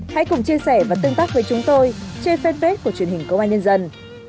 hãy cùng chia sẻ và tương tác với chúng tôi trên fanpage của truyền hình công an nhân dân